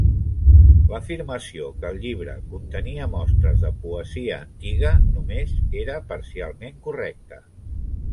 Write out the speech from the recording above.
L'afirmació que el llibre contenia mostres de poesia antiga només era parcialment correcta.